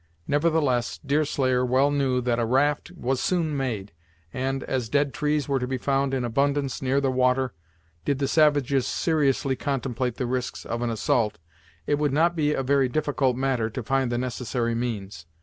Nevertheless, Deerslayer well knew that a raft was soon made, and, as dead trees were to be found in abundance near the water, did the savages seriously contemplate the risks of an assault, it would not be a very difficult matter to find the necessary means.